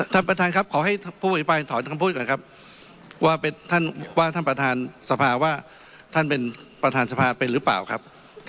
ท่านประธานครับขอให้ผู้อภิปรายถอนคำพูดก่อนครับ